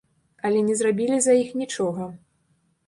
Але не зрабілі за іх нічога.